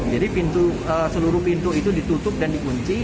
jadi seluruh pintu itu ditutup dan dikunci